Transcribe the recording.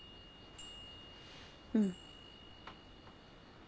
うん。